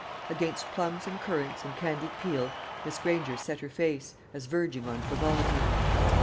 Against plums and currants and candied peel Miss Granger set her face, as verging on frivolity.